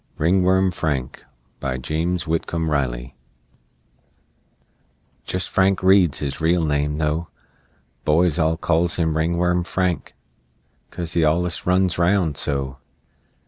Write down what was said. "RINGWORM FRANK" BY JAMES WHITCOMB RILEY Jest Frank Reed's his real name though Boys all calls him "Ringworm Frank," 'Cause he allus runs round so.